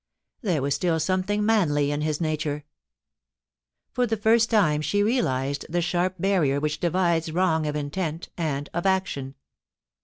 There was still something manly in his nature. For the first time she realised the sharp barrier which divides wrong of intent and of action.